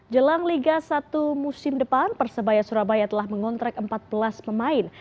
jelang liga satu musim depan persebaya surabaya telah mengontrak empat belas pemain